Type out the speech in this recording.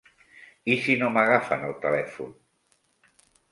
I si no m'agafen el telèfon?